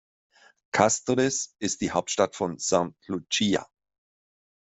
Castries ist die Hauptstadt von St. Lucia.